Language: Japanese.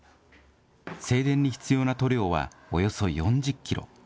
正殿に必要な塗料はおよそ４０キロ。